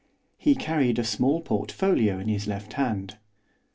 He carried a small portfolio in his left hand.